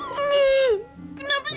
kenapa sih kamu gak happy